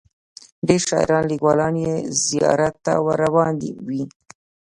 ډیر شاعران لیکوالان یې زیارت ته ور روان وي.